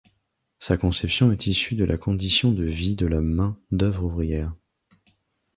Sa conception est issue de la condition de vie de la main d'œuvre ouvrière.